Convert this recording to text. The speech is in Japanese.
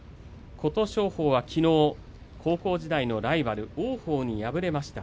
琴勝峰はきのう高校時代のライバル、王鵬に敗れました。